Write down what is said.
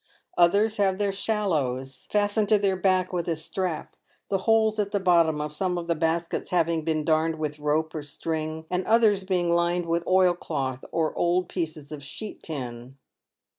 Others have their " shallows " fastened to their back with a strap, the holes at the bottom of some of the baskets having been darned with rope or string, and others being lined with oilcloth or old pieces of sheet tin.